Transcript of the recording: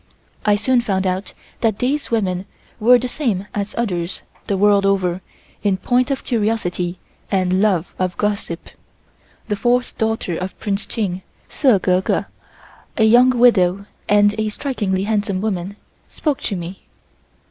I soon found that these women were the same as others the world over in point of curiosity and love of gossip. The fourth daughter of Prince Ching (Sze Gurgur), a young widow and a strikingly handsome woman, spoke to me.